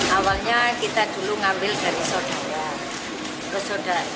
awalnya kita dulu ngambil dari sodara